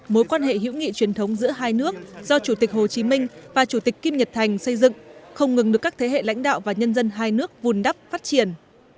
mối quan hệ hữu nghị truyền thống giữa hai nước do chủ tịch hồ chí minh và chủ tịch kim nhật thành xây dựng không ngừng được các thế hệ lãnh đạo và nhân dân hai nước vùn đắp phát triển